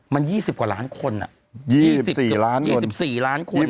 มัน๒๐กว่าล้านคน๒๔ล้านคน